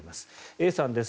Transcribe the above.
Ａさんです。